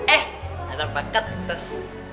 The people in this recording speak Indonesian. eh ada paket terus